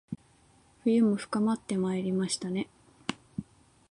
冬も深まってまいりましたね